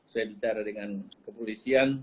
saya bicara dengan kepolisian